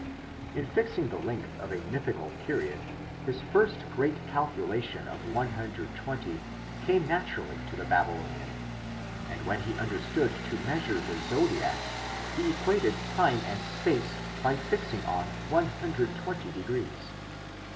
In fixing the length of a mythical period his first great calculation of 120 came naturally to the Babylonian, and when he undertook to measure the Zodiac he equated time and space by fixing on 120 degrees.